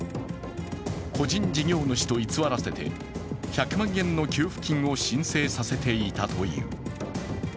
個人事業主と偽らせて１００万円の給付金を申請させていたという。